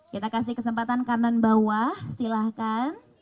kita kasih kesempatan kanan bawah silahkan